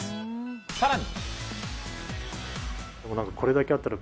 さらに。